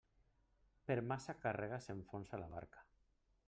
Per massa càrrega s'enfonsa la barca.